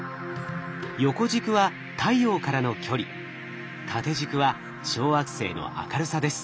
横軸は太陽からの距離縦軸は小惑星の明るさです。